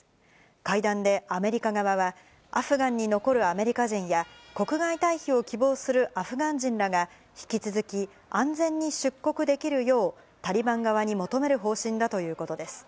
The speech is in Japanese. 会談でアメリカ側は、アフガンに残るアメリカ人や、国外退避を希望するアフガン人らが、引き続き安全に出国できるよう、タリバン側に求める方針だということです。